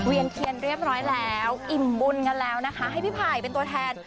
เทียนเทียนเรียบร้อยแล้วอิ่มบุญกันแล้วนะคะให้พี่ไผ่เป็นตัวแทน